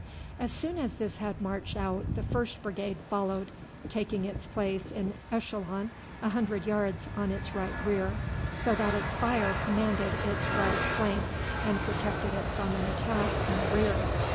As soon as this had marched out the first brigade followed, taking its place in echelon a hundred yards on its right rear, so that its fire commanded its right flank and protected it from an attack in the rear.